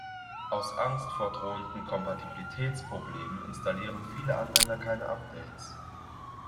Aus Angst vor drohenden Kompatibilitätsproblemen installieren viele Anwender keine Updates.